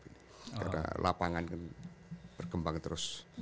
karena lapangan berkembang terus